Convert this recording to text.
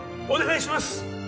お願いします！